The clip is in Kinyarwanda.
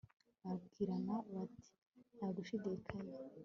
barabwirana bati nta gushidikanya